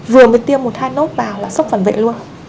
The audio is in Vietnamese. vừa mới tiêm một hai nốt vào là sốc phản vệ luôn